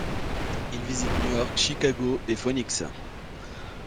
Il visite New York, Chicago et Phoenix.